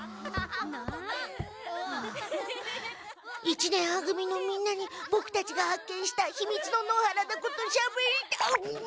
一年は組のみんなにボクたちが発見したひみつの野原のことしゃべりたい！